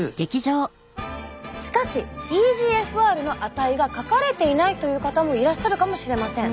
しかしｅＧＦＲの値が書かれていないという方もいらっしゃるかもしれません。